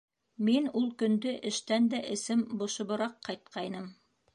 Мин ул көндө эштән дә эсем бошобораҡ ҡайтҡайным.